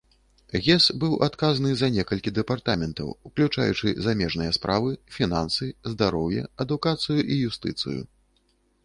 Гес быў адказны за некалькі дэпартаментаў, уключаючы замежныя справы, фінансы, здароўе, адукацыю і юстыцыю.